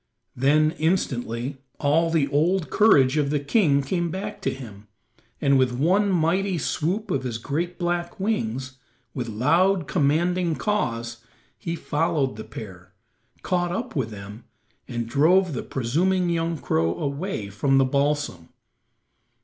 Then instantly all the old courage of the king came back to him, and with one mighty swoop of his great black wings, with loud, commanding caws, he followed the pair, caught up with them, and drove the presuming young crow away from the balsam.